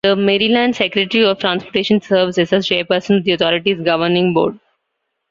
The Maryland Secretary of Transportation serves as chairperson of the Authority's governing board.